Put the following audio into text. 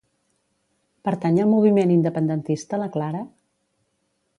Pertany al moviment independentista la Clara?